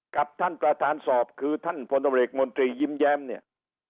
กับท่านประธานสอบคือท่านพลตำรวจเอกมนตรียิ้มแย้มเนี่ย